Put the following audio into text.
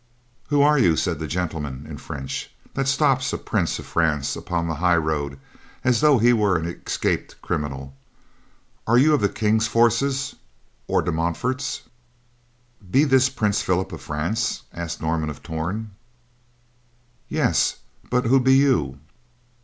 "Who are you," said the gentleman, in French, "that stops a prince of France upon the highroad as though he were an escaped criminal? Are you of the King's forces, or De Montfort's?" "Be this Prince Philip of France?" asked Norman of Torn. "Yes, but who be you?"